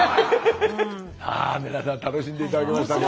さあ皆さん楽しんで頂けましたか？